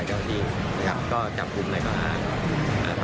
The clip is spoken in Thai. ระหว่างที่เราก็สารให้ต่างกันไปกัน